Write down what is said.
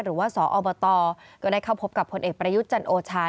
หรือว่าสอบตก็ได้เข้าพบกับผลเอกประยุทธ์จันโอชา